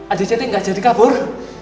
adik cantik gak jadi kabur